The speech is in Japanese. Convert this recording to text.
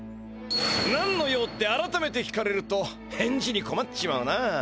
何の用ってあらためて聞かれると返事にこまっちまうな。